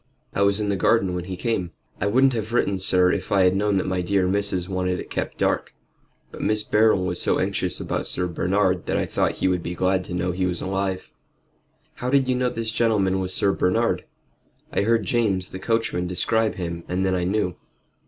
"I was in the garden when he came. I wouldn't have written, sir, if I had known that my dear missus wanted it kept dark. But Mr. Beryl was so anxious about Sir Bernard that I thought he would be glad to know he was alive." "How did you know this gentleman was Sir Bernard?" "I heard James the coachman describe him, and then I knew."